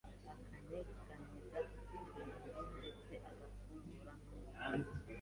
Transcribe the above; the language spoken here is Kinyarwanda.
akanyeganyeza uturenge, ndetse agafungura n’umunwa.